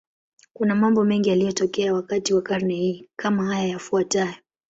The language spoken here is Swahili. Kuna mambo mengi yaliyotokea wakati wa karne hii, kama haya yafuatayo.